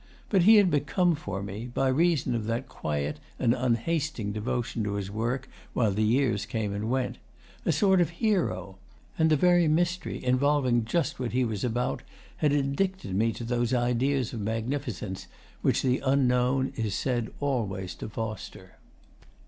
But he had become for me, by reason of that quiet and unhasting devotion to his work while the years came and went, a sort of hero; and the very mystery involving just what he was about had addicted me to those ideas of magnificence which the unknown is said always to foster.